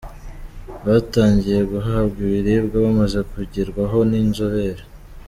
Batangiye guhabwa ibiribwa bamaze kugerwaho n’inzobere.